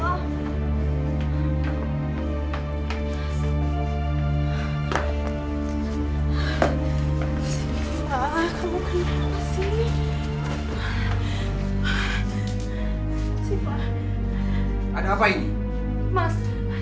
mas kamu kenapa sih